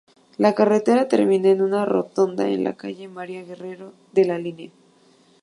La carretera termina en una rotonda en la calle María Guerrero de La Línea.